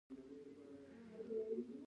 تورکي زما کاغذان څيرل.